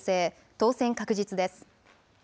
当選確実です。